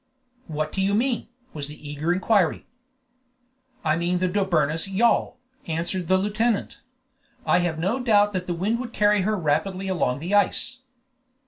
"What do you mean?" was the eager inquiry. "I mean the Dobryna's yawl," answered the lieutenant; "and I have no doubt that the wind would carry her rapidly along the ice."